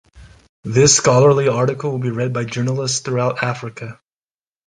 This scholarly article will be read by journalists throughout Africa